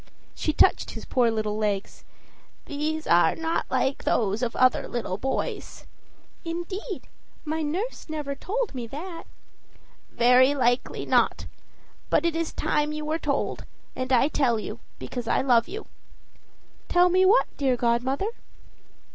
She touched his poor little legs. "These are not like those of other little boys." "Indeed! my nurse never told me that." "Very likely not. But it is time you were told; and I tell you, because I love you." "Tell me what, dear godmother?"